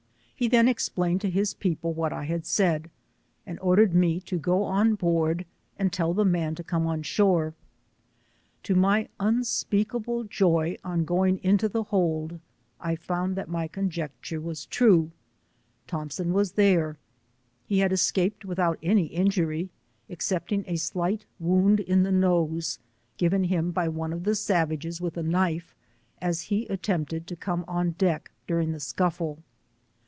He then explained to his peopl* what I had said, and ordered me to go on board, and tell the man to come on shore. To my un speakable joy, on going into the hold, I found that my conjecture was true. Thomson was there, he had escaped without any injury, excepting a slight wound in the nose, given him by one of the savages with a knife, as he attempted to come on deck, during the scu£Be.